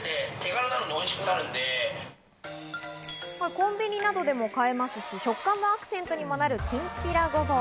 コンビニなどでも買えますし、食感のアクセントにもなるきんぴらごぼう。